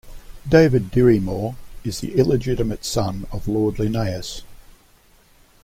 David Dirry-Moir is the illegitimate son of Lord Linnaeus.